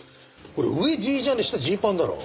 これ上ジージャンで下ジーパンだろ。